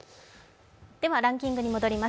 ではランキングに戻ります。